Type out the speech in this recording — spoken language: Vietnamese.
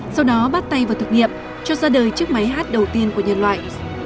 sau đó bắt tay vào thực nghiệm cho ra đời chiếc máy hát đầu tiên của nhân loại